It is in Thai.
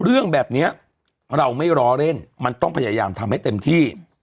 เรื่องแบบนี้เราไม่ล้อเล่นมันต้องพยายามทำให้เต็มที่